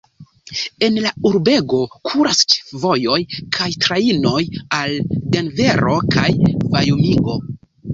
El la urbego kuras ĉefvojoj kaj trajnoj al Denvero kaj Vajomingo.